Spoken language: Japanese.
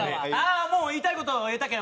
もう言いたい事言えたけん。